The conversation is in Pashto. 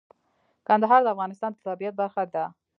کندهار د افغانستان د طبیعت برخه ده.